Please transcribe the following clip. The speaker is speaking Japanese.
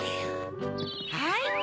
はい。